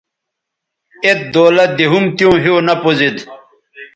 ایت دولت دے ھُم تیوں ھِیو نہ پوزید